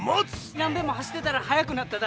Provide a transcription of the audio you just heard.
何べんも走ってたら速くなっただ。